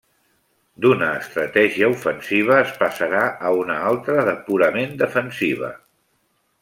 D'una estratègia ofensiva es passarà a una altra de purament defensiva.